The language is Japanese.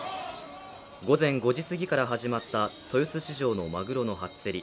午前５時すぎから始まった豊洲市場のまぐろの初競り。